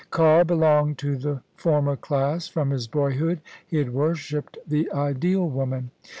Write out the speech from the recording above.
Carr belonged to the former class: from his boyhood he had worshipped the Ideal Woman.